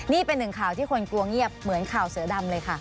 นี่เป็นหนึ่งข่าวที่คนกลัวเงียบเหมือนข่าวเสือดำเลยค่ะ